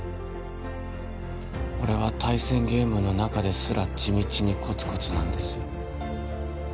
俺は対戦ゲームの中ですら地道にコツコツなんです